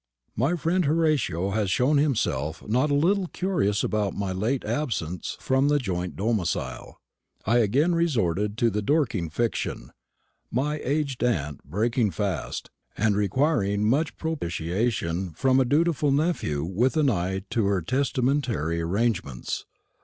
My friend Horatio has shown himself not a little curious about my late absence from the joint domicile. I again resorted to the Dorking fiction, my aged aunt breaking fast, and requiring much propitiation from a dutiful nephew with an eye to her testamentary arrangements.